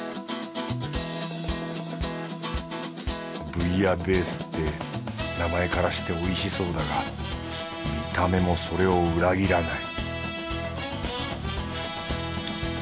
ブイヤベースって名前からしておいしそうだが見た目もそれを裏切らない